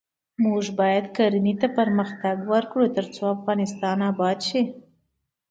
موږ باید کرنه پرمختګ ورکړو ، ترڅو افغانستان اباد شي.